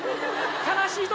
悲しい時。